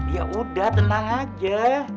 ya udah tenang aja